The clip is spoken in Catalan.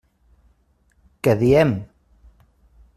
Què diem?